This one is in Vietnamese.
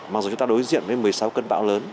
mặc dù chúng ta đối diện với một mươi sáu cơn bão lớn